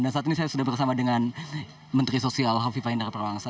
dan saat ini saya sudah bersama dengan menteri sosial kofifah indar parawansa